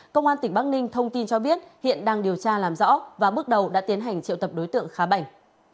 công an tỉnh bắc ninh thông tin cho biết hiện đang điều tra làm rõ và bước đầu đã tiến hành triệu tập đối tượng khá bảnh